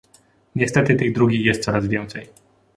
Niestety tych drugich jest coraz więcej